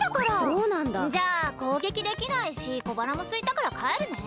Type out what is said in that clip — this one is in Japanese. そうなんだ。じゃあこうげきできないしこばらもすいたからかえるね。